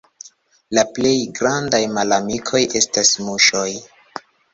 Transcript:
La plej grandaj malamikoj estas muŝoj.